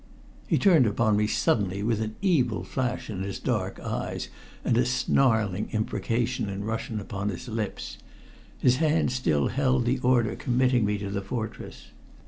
He turned upon me suddenly with an evil flash in his dark eyes, and a snarling imprecation in Russian upon his lips. His hand still held the order committing me to the fortress.